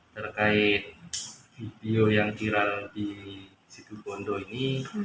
terkait video yang viral di situ bondo ini